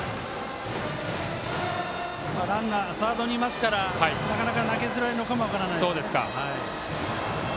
ランナー、サードにいますからなかなか、投げづらいのかも分かりませんね。